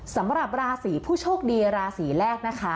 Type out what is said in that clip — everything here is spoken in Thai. สำหรับราศีผู้โชคดีราศีแรกนะคะ